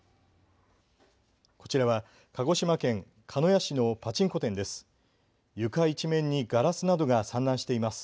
こちらは鹿児島県鹿屋市のパチンコ店です。